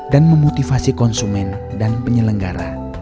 dan memotivasi konsumen dan penyelenggara